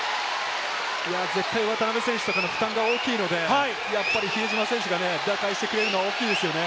絶対、渡邊選手とかの負担が大きいので、比江島選手が打開してくれるのは大きいですね。